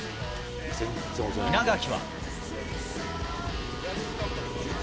稲垣は。